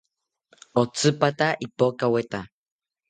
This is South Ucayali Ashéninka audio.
Otsipata ipokaweta